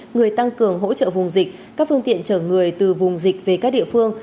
người tăng cường hỗ trợ vùng dịch các phương tiện chở người từ vùng dịch về các địa phương